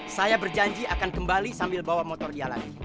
saya berjanji akan kembali sambil bawa motor dia lagi